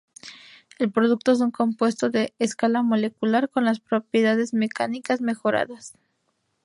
El producto es un compuesto de escala molecular con las propiedades mecánicas mejoradas.